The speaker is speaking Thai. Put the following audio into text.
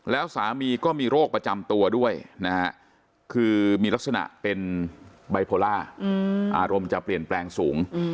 แล้วสามีก็มีโรคประจำตัวด้วยนะฮะคือมีลักษณะเป็นไบโพล่าอารมณ์จะเปลี่ยนแปลงสูง